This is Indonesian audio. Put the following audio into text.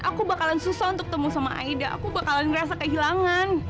aku bakalan susah untuk temu sama aida aku bakalan ngerasa kehilangan